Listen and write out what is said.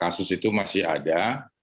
kasus itu masih ada